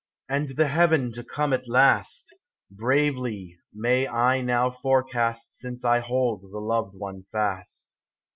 And the heaven to come at last ! Bravely may I now forecast Since I hold the loved one fast.